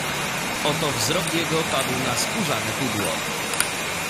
Oto wzrok jego padł na skórzane pudło.